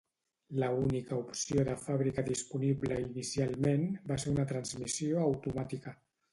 La única opció de fàbrica disponible inicialment va ser una transmissió automàtica.